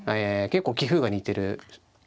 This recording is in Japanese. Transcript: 結構棋風が似てる２人で。